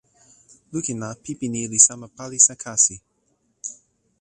lukin la pipi ni li sama palisa kasi.